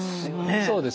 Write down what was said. そうですね。